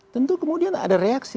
tentu kemudian ada reaksi